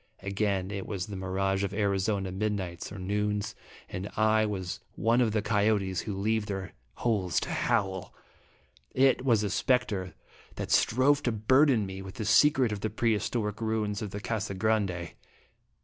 Again, It was the mirage of Arizona midnights or noons, and I was one of the coyotes who leave their holes to howl. It was a spectre that strove to burden me with the secret of the pre historic ruins of the Casa Grande.